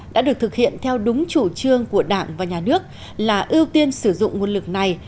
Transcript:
đã được thực hiện theo đúng chủ trương của đảng và nhà nước là ưu tiên sử dụng nguồn lực này